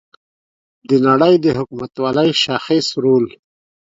د نړۍ د حکومتولۍ شاخص رول